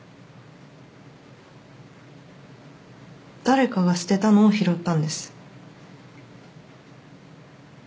誰かが捨てたのを拾ったんです。